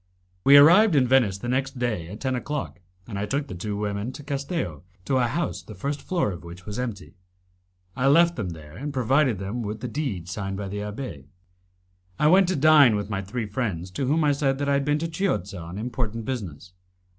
We arrived in Venice the next day at ten o'clock, and I took the two women to Castello, to a house the first floor of which was empty. I left them there, and provided with the deed signed by the abbé I went to dine with my three friends, to whom I said that I had been to Chiozza on important business.